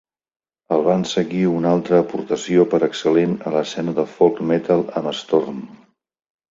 El van seguir una altra aportació per excel·lent a l'escena del folk metal amb Storm.